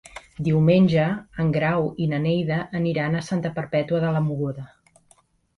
Diumenge en Grau i na Neida aniran a Santa Perpètua de Mogoda.